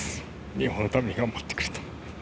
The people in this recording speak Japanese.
日本のために頑張ってくれた。